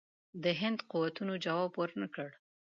د هند قوتونو جواب ورنه کړ.